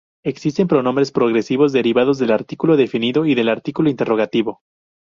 Existen pronombres posesivos derivados del artículo definido y del artículo interrogativo.